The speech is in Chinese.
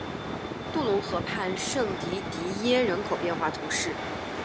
杜龙河畔圣迪迪耶人口变化图示